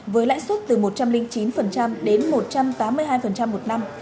với lãi suất từ một trăm linh chín đến một trăm tám mươi hai một năm